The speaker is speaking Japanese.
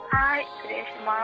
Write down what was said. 失礼します。